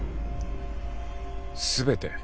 全て？